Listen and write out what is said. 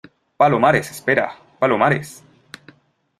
palomares, espera. palomares .